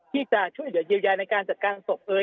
ที่จะช่วยเหลือเยียวยาในการจัดการศพเอ่ย